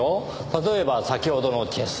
例えば先ほどのチェス。